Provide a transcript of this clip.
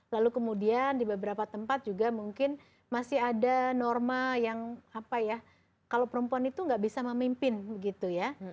lalu kemudian di beberapa tempat juga mungkin masih ada norma yang apa ya kalau perempuan itu nggak bisa memimpin gitu ya